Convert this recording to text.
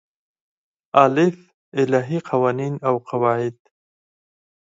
الف : الهی قوانین او قواعد